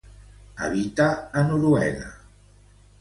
Habita a Noruega.